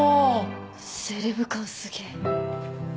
セレブ感すげえ。